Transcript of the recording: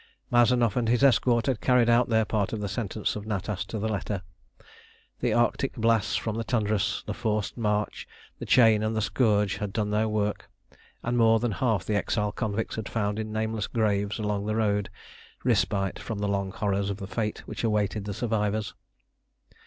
Mazanoff and his escort had carried out their part of the sentence of Natas to the letter. The arctic blasts from the Tundras, the forced march, the chain and the scourge had done their work, and more than half the exile convicts had found in nameless graves along the road respite from the long horrors of the fate which awaited the survivors.